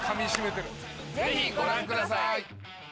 ぜひご覧ください！